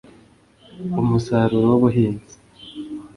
umusaruro w’ubuhinzi